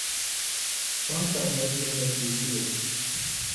Songs are made to make you feel.